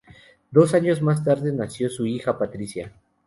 Dos años más tarde nació su hija, Patricia.